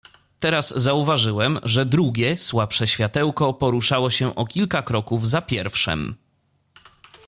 "Teraz zauważyłem, że drugie, słabsze światełko poruszało się o kilka kroków za pierwszem."